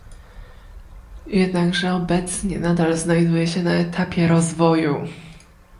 Jednakże obecnie nadal znajduje się na etapie rozwoju